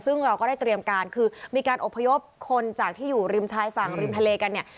ซึ่งเราก็ได้เตรียมการคือมีการอบพยพคนจากที่อยู่ริมชายฝั่งริมทะเลกันเนี่ย